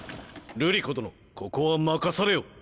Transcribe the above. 瑠璃子殿ここは任せされよ。